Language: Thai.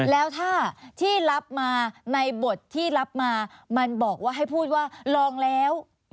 แล้วถ้าที่รับมาในบทที่รับมามันบอกว่าให้พูดว่าลองแล้ว